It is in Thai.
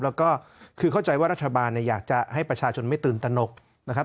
แล้วก็คือเข้าใจว่ารัฐบาลเนี่ยอยากจะให้ประชาชนไม่ตื่นตนกนะครับ